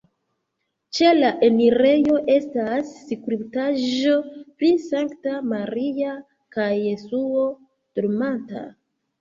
Ĉe la enirejo estas skulptaĵo pri Sankta Maria kaj Jesuo dormanta.